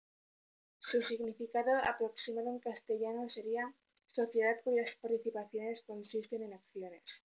Su significado aproximado en castellano sería: "sociedad cuyas participaciones consisten en acciones".